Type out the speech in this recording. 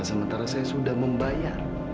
sementara saya sudah membayar